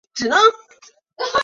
祖父王才甫。